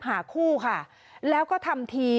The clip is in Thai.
หาคู่ค่ะแล้วก็ทำที